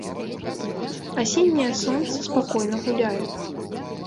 Асенняе сонца спакойна гуляе.